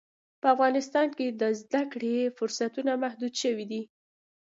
په افغانستان کې د زده کړې فرصتونه محدود شوي دي.